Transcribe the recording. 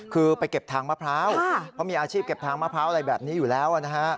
คือไปเก็บทางมะพร้าวเพราะมีอาชีพเก็บทางมะพร้าวอะไรแบบนี้อยู่แล้วนะฮะ